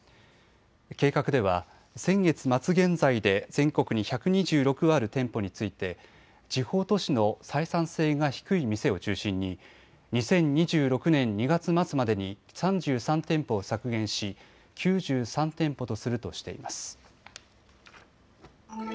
計画では先月末現在で全国に１２６ある店舗について地方都市の採算性が低い店を中心に２０２６年２月末までに３３店舗を削減し９３店舗とするとしています。